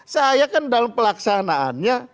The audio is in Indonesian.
saya kan dalam pelaksanaannya